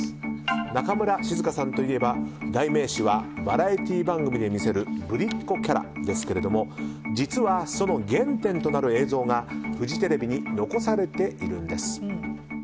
中村静香さんといえば、代名詞はバラエティー番組で見せるぶりっこキャラですけれども実は、その原点となる映像がフジテレビに残されているんです。